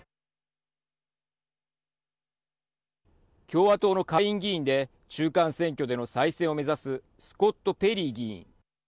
共和党の下院議員で中間選挙での再選を目指すスコット・ペリー議員。